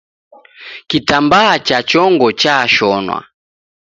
Kitambaa cha chongo chashonwa